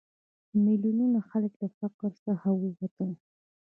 میلیونونه خلک له فقر څخه ووتل.